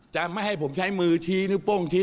จะไม่ให้ผมใช้มือชี้นิ้วโป้งชี้